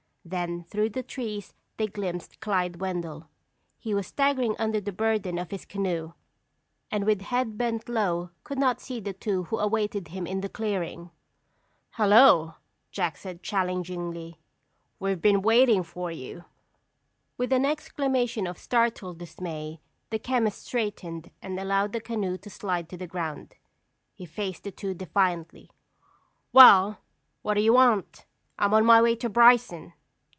Then through the trees they glimpsed Clyde Wendell. He was staggering under the burden of his canoe, and with head bent low could not see the two who awaited him in the clearing. "Hello," Jack said challengingly. "We've been waiting for you." With an exclamation of startled dismay, the chemist straightened and allowed the canoe to slide to the ground. He faced the two defiantly. "Well, what do you want? I'm on my way to Bryson."